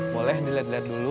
boleh dilihat lihat dulu